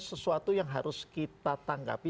sesuatu yang harus kita tanggapi